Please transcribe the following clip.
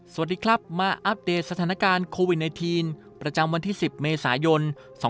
สวัสดีครับมาอัปเดตสถานการณ์โควิด๑๙ประจำวันที่๑๐เมษายน๒๕๖๒